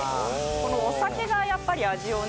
このお酒がやっぱり味をね。